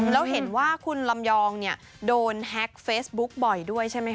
แล้วเห็นว่าคุณลำยองได้แฮคเฟสบุ๊คบ่อยด้วยใช่ไหม